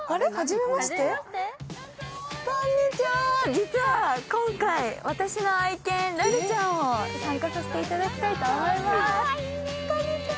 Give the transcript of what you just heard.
実は今回、私の愛犬、ラルちゃんを参加させていただきたいと思います。